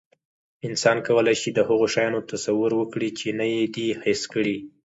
انسان کولی شي، د هغو شیانو تصور وکړي، چې نه یې دي حس کړي.